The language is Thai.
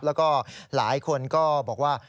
แล้วก็หลายคนก็บอกว่า